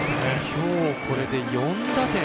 きょう、これで４打点。